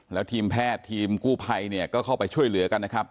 แล้วทีมแพทย์ทีมกู้ภัยเนี่ยก็เข้าไปช่วยเหลือกันนะครับ